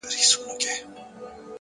هره تجربه د شخصیت نوی اړخ جوړوي,